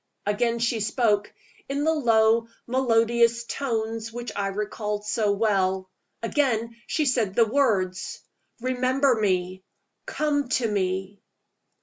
Again she spoke, in the low, melodious tones which I recalled so well. Again she said the words: "Remember me. Come to me."